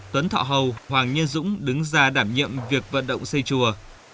tuấn thọ hầu hoàng như dũng đứng ra đảm nhiệm việc vận động xây chùa